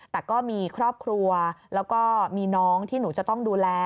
แต่ก็มีครอบครัวแล้วก็มีน้องที่หนูจะต้องดูแล